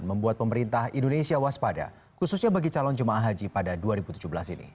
membuat pemerintah indonesia waspada khususnya bagi calon jemaah haji pada dua ribu tujuh belas ini